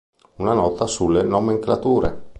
Una nota sulle nomenclature.